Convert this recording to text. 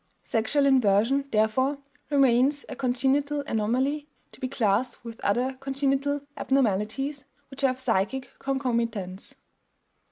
Sexual inversion, therefore, remains a congenital anomaly, to be classed with other congenital abnormalities which have psychic concomitants.